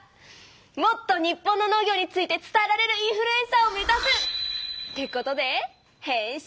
もっと日本の農業について伝えられるインフルエンサーを目ざす！ってことで変身！